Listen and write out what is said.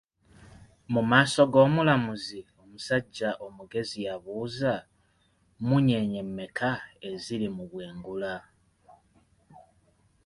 Mu maaso g'omulamuzi, omusajja omugezi yabuuza, mmunyeenye mmeka eziri mu bwengula?